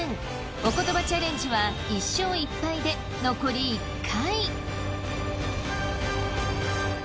おことばチャレンジは１勝１敗で残り１回。